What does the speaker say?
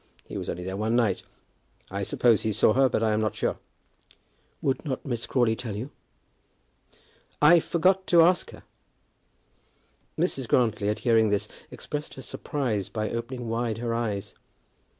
He was only there one night. I suppose he saw her, but I am not sure." "Would not Miss Crawley tell you?" "I forgot to ask her." Mrs. Grantly, at hearing this, expressed her surprise by opening wide her eyes.